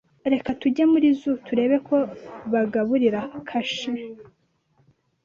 Reka tujye muri zoo turebe ko bagaburira kashe.